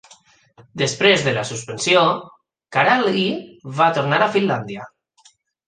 Després de la suspensió, Karalahti va tornar a Finlàndia.